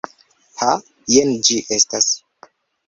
Ha, jen ĝi estas.